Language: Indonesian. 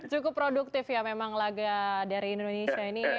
cukup produktif ya memang laga dari indonesia ini